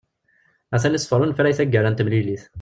Atan iṣeffer unefray taggara n temlilit.